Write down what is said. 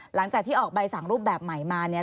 หลังจากที่ออกใบสั่งรูปแบบใหม่มาเนี่ย